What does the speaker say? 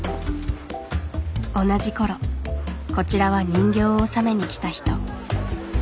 同じころこちらは人形を納めに来た人。